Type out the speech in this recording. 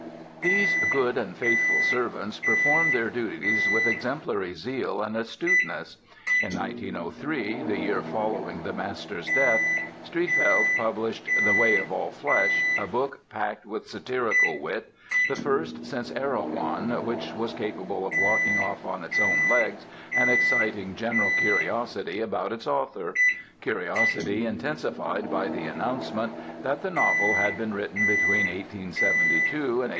These good and faithful servants performed their duties with exemplary zeal and astuteness. In 1903, the year following the Master's death, Streatfeild published "The Way of All Flesh," a book packed with satirical wit, the first since "Erewhon" which was capable of walking off on its own legs and exciting general curiosity about its author curiosity intensified by the announcement that the novel had been written between 1872 and 1884.